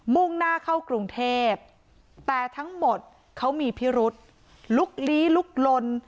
่งหน้าเข้ากรุงเทพแต่ทั้งหมดเขามีพิรุษลุกลี้ลุกลน